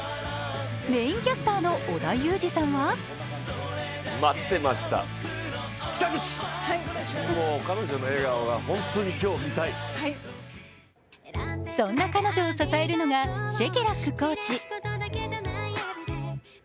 メインキャスターの織田裕二さんはそんな彼女を支えるのがシェケラックコーチ。